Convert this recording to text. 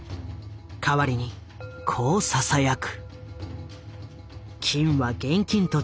代わりにこうささやく。